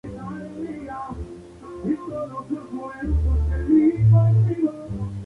El combate es finalmente detenido por Mosquito, que revela toda la verdad.